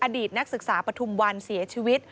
อดีตนักศึกษาปฐุมวันเสียชีวิต